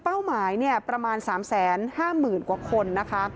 เป้าหมายประมาณ๓๕๐๐๐๐คน